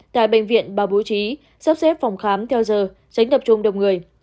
tại bệnh viện bảo bố trí sắp xếp phòng khám theo giờ tránh tập trung đồng người